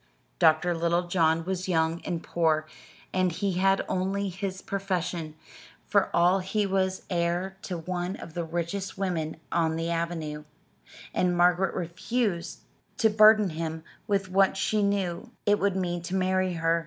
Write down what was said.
Dr. Littlejohn was young and poor, and he had only his profession, for all he was heir to one of the richest women on the avenue; and Margaret refused to burden him with what she knew it would mean to marry her.